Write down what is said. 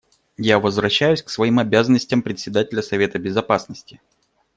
Я возвращаюсь к своим обязанностям Председателя Совета Безопасности.